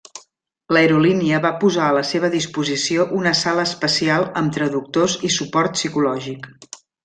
L'aerolínia va posar a la seva disposició una sala especial amb traductors i suport psicològic.